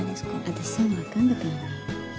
私そういうの分かるんだからね